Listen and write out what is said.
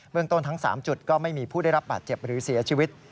เมืองต้นทั้ง๓จุดก็ไม่มีผู้ได้รับบาดเจ็บหรือเสียชีวิต